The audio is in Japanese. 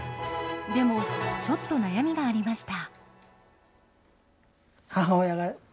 でもちょっと悩みがありました。